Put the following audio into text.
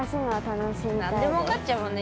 何でも分かっちゃうもんね